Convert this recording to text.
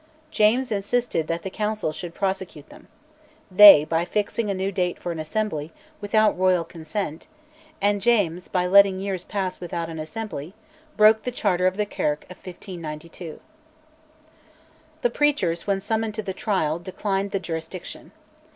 James insisted that the Council should prosecute them: they, by fixing a new date for an Assembly, without royal consent; and James, by letting years pass without an Assembly, broke the charter of the Kirk of 1592. The preachers, when summoned to the trial, declined the jurisdiction.